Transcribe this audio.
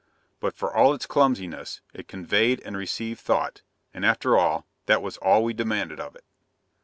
But for all its clumsiness, it conveyed and received thought, and, after all, that was all we demanded of it.